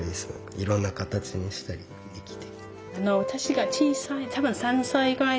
いろんな形にしたりできて。